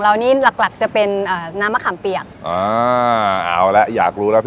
เอาละครับเข้ามาในครัวนะครับ